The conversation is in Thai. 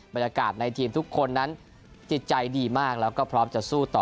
บรรยากาศในทีมทุกคนนั้นจิตใจดีมากแล้วก็พร้อมจะสู้ต่อ